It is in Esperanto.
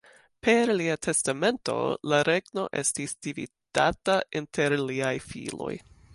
Per lia testamento la regno estis dividata inter liaj filoj.